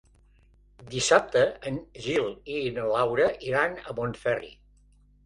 Dissabte en Gil i na Laura iran a Montferri.